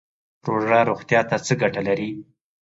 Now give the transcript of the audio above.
روژه روغتیا ته څه ګټه لري؟